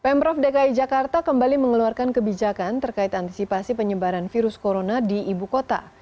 pemprov dki jakarta kembali mengeluarkan kebijakan terkait antisipasi penyebaran virus corona di ibu kota